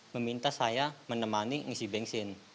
meminta saya menemani ngisi bensin